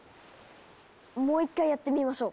もう一回やってみましょう。